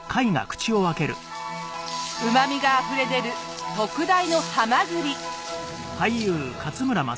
うまみがあふれ出る特大のハマグリ。